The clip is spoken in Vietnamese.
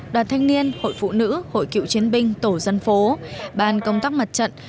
đoàn thanh niên hội phụ nữ hội cựu chiến binh tổ dân phố ban công tác mặt trận